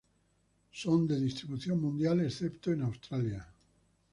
Son de distribución mundial excepto en Australia.